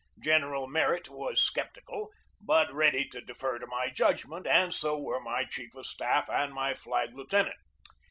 General Merritt was sceptical, but ready to defer to my judgment, and so were my chief of staff and my flag lieutenant.